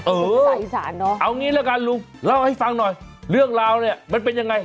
สงสารเนอะเอางี้ละกันลุงเล่าให้ฟังหน่อยเรื่องราวเนี่ยมันเป็นยังไง